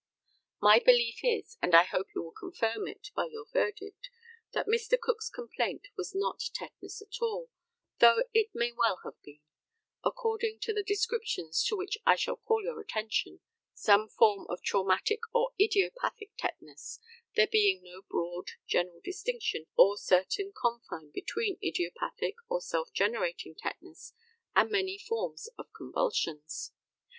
My belief is and I hope you will confirm it by your verdict that Mr. Cook's complaint was not tetanus at all, although it may well have been according to the descriptions to which I shall call your attention some form of traumatic or idiopathic tetanus, there being no broad, general distinction or certain confine between idiopathic, or self generating tetanus, and many forms of convulsions.